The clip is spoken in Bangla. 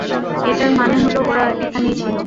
এটার মানে হলো ওরা এখানেই ছিল।